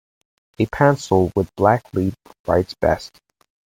A pencil with black lead writes best.